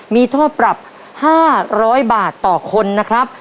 มีโทษปรับ๕๐๐บาทต่อคนนะครับ